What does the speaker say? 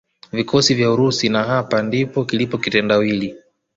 vikosi vya Urusi na hapa ndipo kilipo kitendawili